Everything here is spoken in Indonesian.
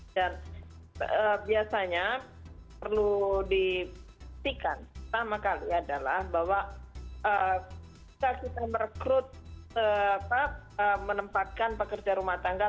dan biasanya perlu dipisihkan pertama kali adalah bahwa kita merekrut tetap menempatkan pekerja rumah tangga